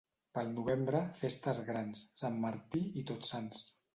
Pel novembre, festes grans: Sant Martí i Tots Sants.